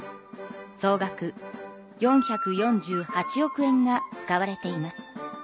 総額４４８億円が使われています。